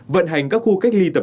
và đặc biệt là